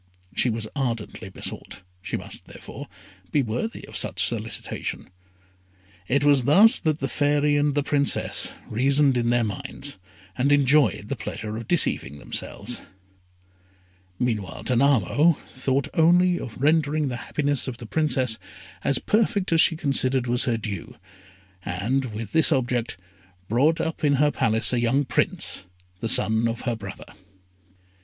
She was ardently besought she must, therefore, be worthy of such solicitation. It was thus that the Fairy and the Princess reasoned in their own minds, and enjoyed the pleasure of deceiving themselves. Meanwhile, Danamo thought only of rendering the happiness of the Princess as perfect as she considered was her due, and, with this object, brought up in her palace a young Prince, the son of her brother.